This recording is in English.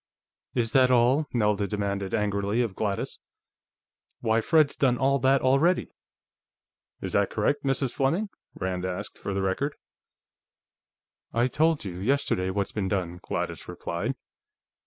"Is that all?" Nelda demanded angrily of Gladys. "Why Fred's done all that already!" "Is that correct, Mrs. Fleming?" Rand asked, for the record. "I told you, yesterday, what's been done," Gladys replied.